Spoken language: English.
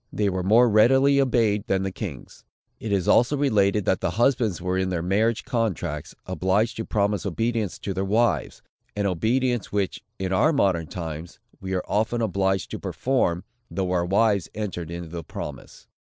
They were more readily obeyed than the kings. It is also related, that the husbands were in their marriage contracts, obliged to promise obedience to their wives; an obedience, which, in our modern times, we are often obliged to perform, though our wives entered into the promise.